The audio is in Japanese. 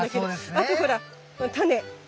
あとほら！